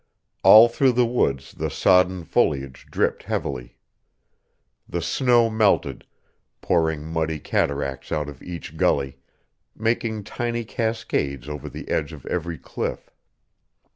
All through the woods the sodden foliage dripped heavily. The snow melted, pouring muddy cataracts out of each gully, making tiny cascades over the edge of every cliff.